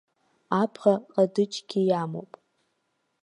Абӷа ҟадыџьгьы имоуп.